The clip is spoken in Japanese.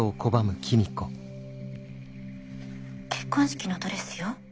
結婚式のドレスよ。